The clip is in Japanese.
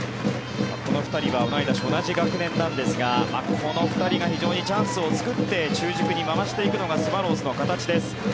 この２人は同い年同じ学年なんですがこの２人が非常にチャンスを作って中軸に回していくのがスワローズの形です。